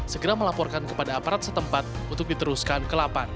segera melaporkan kepada aparat setempat untuk diteruskan ke lapan